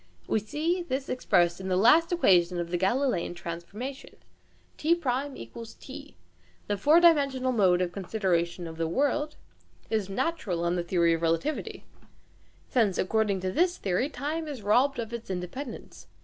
We see this expressed in the last equation of the Galileian transformation (t1 = t) The four dimensional mode of consideration of the "world" is natural on the theory of relativity, since according to this theory time is robbed of its independence.